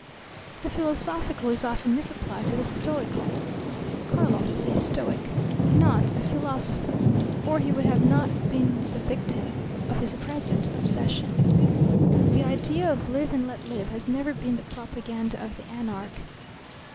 The philosophical is often misapplied to the stoical. Karlov was a stoic, not a philosopher, or he would not have been the victim of his present obsession. The idea of live and let live has never been the propaganda of the anarch.